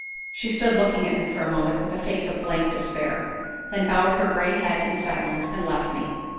She stood looking at me for a moment with a face of blank despair; then bowed her gray head in silence, and left me.